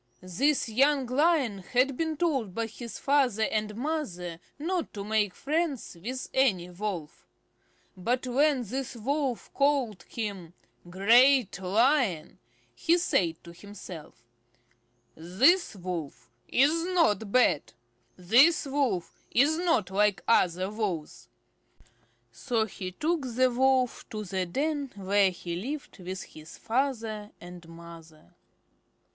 This young Lion had been told by his father and mother not to make friends with any Wolf. But when this Wolf called him "Great Lion," he said to himself: "This Wolf is not bad. This Wolf is not like other Wolves." So he took the Wolf to the den where he lived with his father and mother.